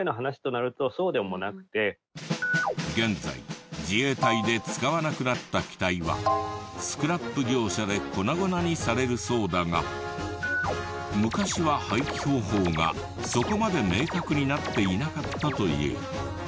現在自衛隊で使わなくなった機体はスクラップ業者で粉々にされるそうだが昔は廃棄方法がそこまで明確になっていなかったという。